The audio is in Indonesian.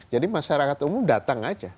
jadi masyarakat umum datang aja